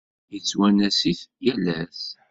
Yettwanas-it yal ass.